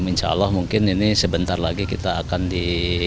insya allah mungkin ini sebentar lagi kita akan di